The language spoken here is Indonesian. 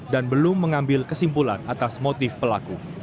dan belum mengambil kesimpulan atas motif pelaku